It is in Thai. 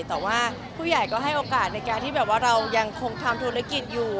แต่ว่าผู้ใหญ่ก็ให้โอกาสในการที่แบบว่าเรายังคงทำธุรกิจอยู่